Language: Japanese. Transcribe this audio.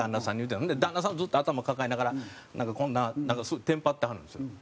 ほんで旦那さんはずっと頭抱えながらなんかこんなすごいテンパってはるんですよ。